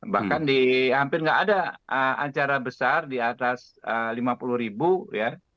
bahkan di hampir nggak ada acara besar di atas lima puluh ribu ya